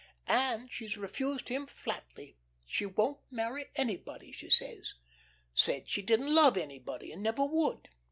And she's refused him flatly. She won't marry anybody, she says. Said she didn't love anybody, and never would.